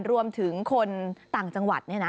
รวมถึงคนต่างจังหวัด